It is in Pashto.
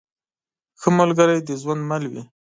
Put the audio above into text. ښه ملګری د ژوند مل وي.